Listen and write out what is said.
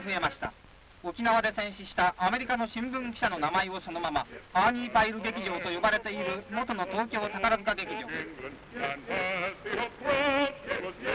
沖縄で戦死したアメリカの新聞記者の名前をそのままアーニーパイル劇場と呼ばれている元の東京宝塚劇場」。